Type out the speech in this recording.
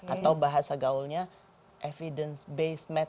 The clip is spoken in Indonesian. atau bahasa gaulnya evidence based method